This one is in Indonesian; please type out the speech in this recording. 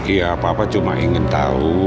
iya papa cuma ingin tahu